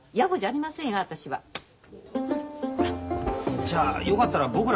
じゃあよかったら僕らと一緒に。